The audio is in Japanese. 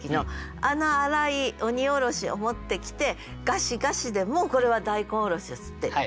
あの粗い「鬼おろし」を持ってきて「ガシガシ」でもうこれは大根おろしを擦っている。